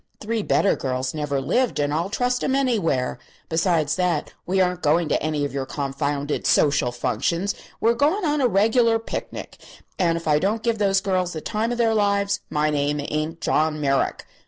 Three better girls never lived, and I'll trust 'em anywhere. Besides that, we aren't going to any of your confounded social functions; we're going on a reg'lar picnic, and if I don't give those girls the time of their lives my name ain't John Merrick.